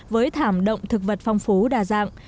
với thảm động thực vật phong phú đa dạng